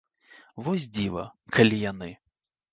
Вось дзіва, калі яны.